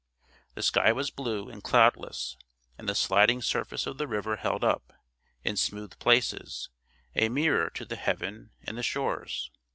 The sky was blue and cloudless; and the sliding surface of the river held up, in smooth places, a mirror to the heaven and the shores.